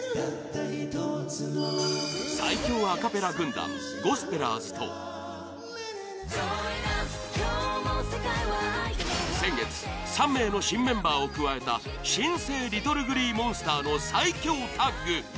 最強アカペラ軍団ゴスペラーズと先月３名の新メンバーを加えた新生ＬｉｔｔｌｅＧｌｅｅＭｏｎｓｔｅｒの最強タッグ！